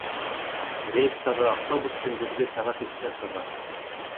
Рейстағы автобус көндөҙгө сәғәт өстә сыға.